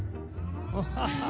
アハハハ。